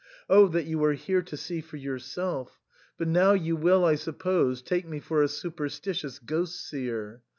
Oh that you were here to see for yourself ! but now you will, I sup pose, take me for a superstitious ghost seer.